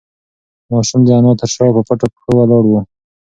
ماشوم د انا تر شا په پټو پښو ولاړ و.